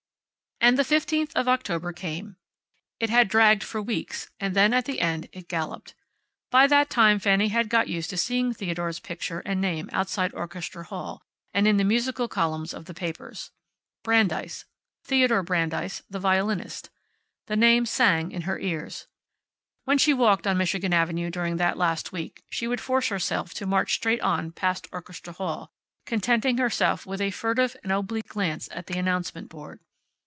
And the fifteenth of October came. It had dragged for weeks, and then, at the end, it galloped. By that time Fanny had got used to seeing Theodore's picture and name outside Orchestra Hall, and in the musical columns of the papers. Brandeis. Theodore Brandeis, the violinist. The name sang in her ears. When she walked on Michigan Avenue during that last week she would force herself to march straight on past Orchestra Hall, contenting herself with a furtive and oblique glance at the announcement board.